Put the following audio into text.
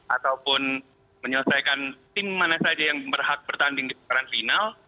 ataupun menyelesaikan tim mana saja yang berhak bertanding di putaran final